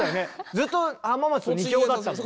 ずっと浜松と２強だったもんね。